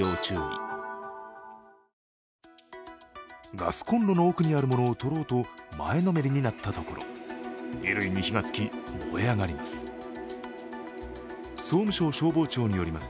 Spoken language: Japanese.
ガスコンロの奥にあるものを取ろうと前のめりになったところ、衣類に火がつき、燃え上がります。